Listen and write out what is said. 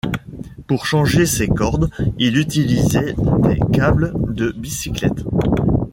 Pour changer ses cordes, il utilisait des câbles de bicyclette.